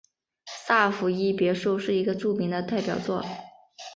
萨伏伊别墅是一个著名的代表作。